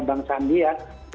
bang sandi ya